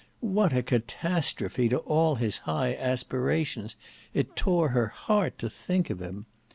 What a catastrophe to all his high aspirations! It tore her heart to think of him!